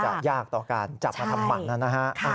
มันก็จะยากต่อการจับมาทำหมั่นนะฮะ